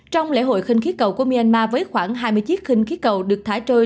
trong lễ hội khinh khí cầu của myanmar với khoảng hai mươi chiếc khinh khí cầu được thả trôi